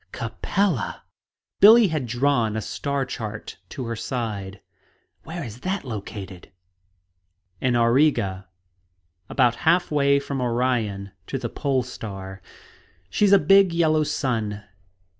"Capella." Billie had drawn a star chart to her side. "Where is that located?" "In Auriga, about half way from Orion to the Pole Star. She's a big yellow sun.